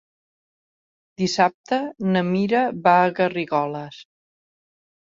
Dissabte na Mira va a Garrigoles.